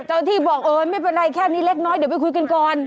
ที่บอกโอ๊ยไม่เป็นไรแค่นี้เล็กน้อยเดี๋ยวไปคุยกันก่อน